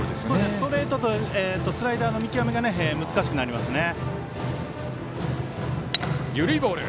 ストレートとスライダーの見極めが難しくなりますね。